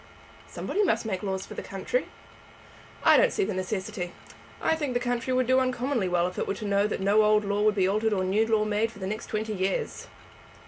"Somebody must make laws for the country." "I don't see the necessity. I think the country would do uncommonly well if it were to know that no old law would be altered or new law made for the next twenty years."